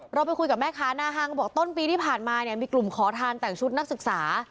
เราไปคุยกับแม่ค้าหน้าห้างบอกต้นปีที่ผ่านมาเนี่ยมีกลุ่มขอทานแต่งชุดนักศึกษา